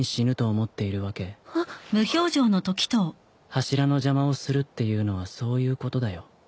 柱の邪魔をするっていうのはそういうことだよ。